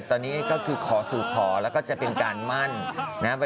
ตอนนี้ก็คือขอสู่ขอแล้วก็จะเป็นการมั่นนะครับ